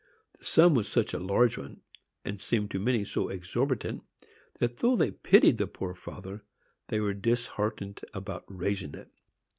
The sum was such a large one, and seemed to many so exorbitant, that, though they pitied the poor father, they were disheartened about raising it.